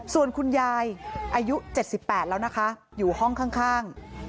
ส่วนคุณยายอายุ๗๘แล้วนะคะอยู่ห้องข้าง